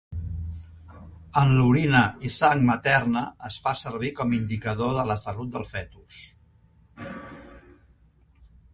En l'orina i sang materna es fa servir com indicador de la salut del fetus.